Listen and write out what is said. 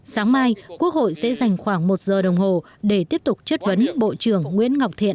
sáng mai quốc hội sẽ dành khoảng một giờ đồng hồ để tiếp tục chất vấn bộ trưởng nguyễn ngọc thiện